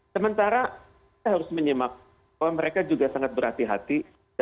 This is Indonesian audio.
sementara kita harus menyimak bahwa mereka juga sangat berhati hati